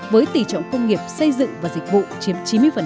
với tỷ trọng công nghiệp xây dựng và dịch vụ chiếm chín mươi